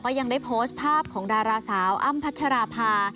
ยังได้โพสต์ภาพของดาราสาวอ้ำพัชราภา